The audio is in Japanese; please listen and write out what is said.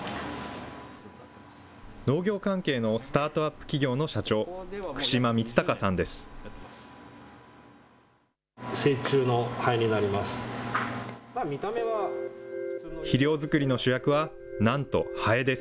農業関係のスタートアップ企業の社長、串間充崇さんです。